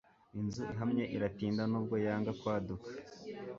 Inzu ihamye iratinda nubwo yanga kwaduka